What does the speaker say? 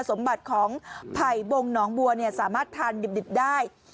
คุณสมบัติของไผ่บงหนองบัวเนี่ยสามารถทานดิดได้